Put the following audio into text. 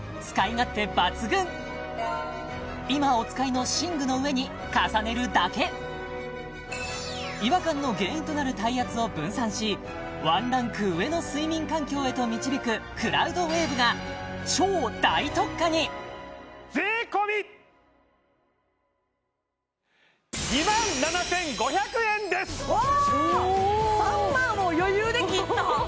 今お使いの寝具の上に重ねるだけ違和感の原因となる体圧を分散しワンランク上の睡眠環境へと導くクラウドウェーブが超大特価に税込おおっ３万を余裕で切った！